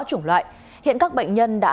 chủng loại hiện các bệnh nhân đã